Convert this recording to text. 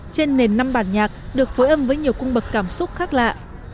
trên nền năm bản nhạc được phối âm với nhiều cung bậc cảm xúc khác lạ